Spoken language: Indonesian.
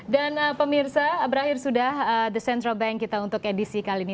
dan pemirsa berakhir sudah the central bank kita untuk edisi kali ini